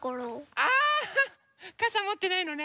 ああかさもってないのね。